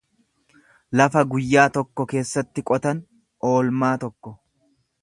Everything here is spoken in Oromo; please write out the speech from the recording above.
lafa guyyaa tokko keessatti qotan, oolmaa tokko.